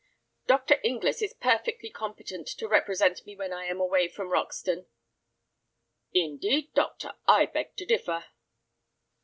"Dr. Inglis is perfectly competent to represent me when I am away from Roxton." "Indeed, doctor, I beg to differ."